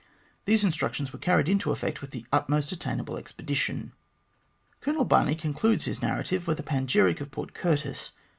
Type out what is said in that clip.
These instructions were carried into effect with the utmost attain able expedition. Colonel Barney concludes his narrative with a panegyric of Port Curtis.